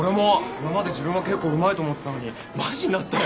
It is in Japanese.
今まで自分は結構うまいと思ってたのにマジになったよ。